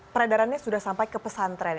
peredarannya sudah sampai ke pesantren